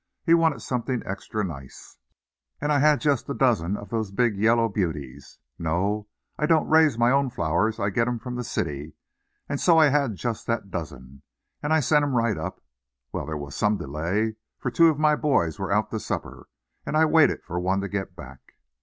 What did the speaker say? He wanted something extra nice, and I had just a dozen of those big yellow beauties. No, I don't raise my own flowers. I get 'em from the city. And so I had just that dozen, and I sent 'em right up. Well, there was some delay, for two of my boys were out to supper, and I waited for one to get back."